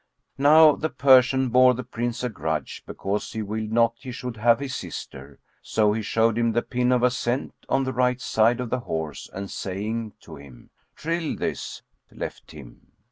Now the Persian bore the Prince a grudge because he willed not he should have his sister; so he showed him the pin of ascent on the right side of the horse and saying to him, "Trill this," left him.